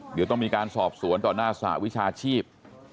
เดี๋ยวต้องมีการสอบสวนต่อหน้าสหวิชาชีพ